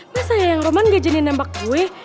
masa ya yang roman gak jadi nembak gue